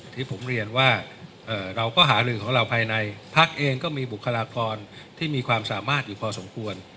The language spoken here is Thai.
ที่ผมเรียนว่าเราก็หาลือของเราภายในพักเองก็มีบุคลากรที่มีความสามารถอยู่พอสมควร